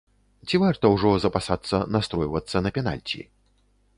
Ці варта ўжо запасацца настройвацца на пенальці?